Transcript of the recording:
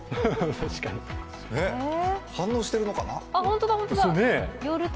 反応しているのかな？